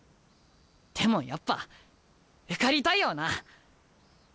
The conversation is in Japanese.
でもやっぱ受かりたいよなあ。